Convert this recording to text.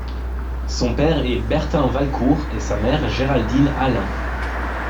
Son père est Bertin Valcourt et sa mère est Géraldine Allain.